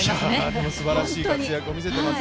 でも、すばらしい活躍を見せています。